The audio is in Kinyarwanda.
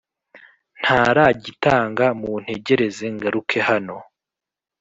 ntaragitanga muntegereze ngaruke hano